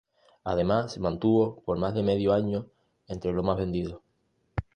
Además, se mantuvo por más de medio año entre los más vendidos.